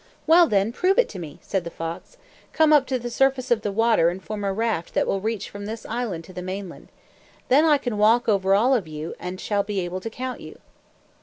"Well, then, prove it to me!" said the fox. "Come up to the surface of the water and form a raft that will reach from this island to the mainland. Then I can walk over all of you, and I shall be able to count you."